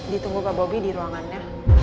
ditunggu pak bobi di ruangannya